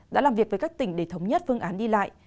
đã làm việc với các tỉnh để thống nhất phương án đi lại